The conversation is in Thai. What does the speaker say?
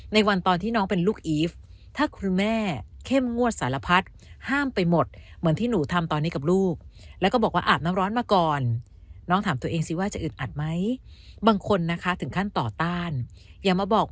ในวันตอนที่น้องเป็นลูกอีฟถ้าคุณแม่เข้มงวดสารพัด